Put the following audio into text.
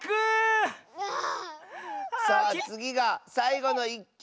さあつぎがさいごの１きゅう！